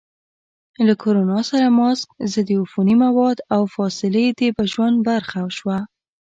له کرونا سره ماسک، ضد عفوني مواد، او فاصلې د ژوند برخه شوه.